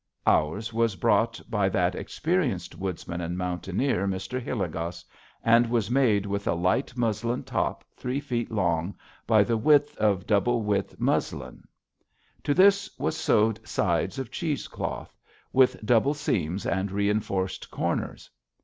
Ours was brought by that experienced woodsman and mountaineer, Mr. Hilligoss, and was made with a light muslin top three feet long by the width of double width muslin. To this was sewed sides of cheese cloth, with double seams and reinforced corners.